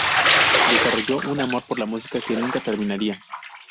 Desarrolló un amor por la música que nunca terminaría.